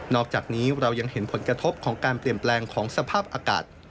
อกจากนี้เรายังเห็นผลกระทบของการเปลี่ยนแปลงของสภาพอากาศ